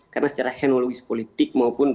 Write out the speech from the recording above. karena secara henologis politik maupun